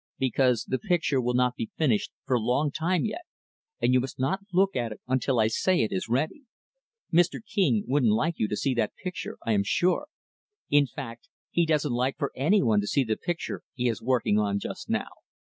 "Because that picture will not be finished for a long time yet, and you must not look at it until I say it is ready. Mr. King wouldn't like you to see that picture, I am sure. In fact, he doesn't like for any one to see the picture he is working on just now."